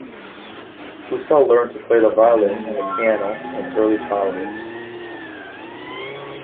Husa learned to play the violin and the piano in early childhood.